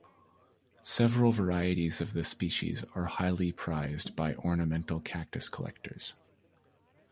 Several varieties of this species are highly prized by ornamental cactus collectors.